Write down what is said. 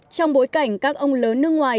trong bối cảnh các ông lớn nước ngoài